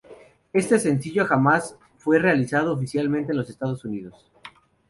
Este sencillo jamás fue realizado oficialmente en los Estados Unidos.